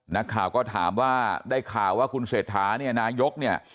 นักข่าวก็ถามว่าได้ข่าวว่าคุณเศรษฐานายก